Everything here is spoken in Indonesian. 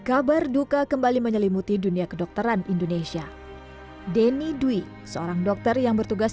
kabar duka kembali menyelimuti dunia kedokteran indonesia denny dwi seorang dokter yang bertugas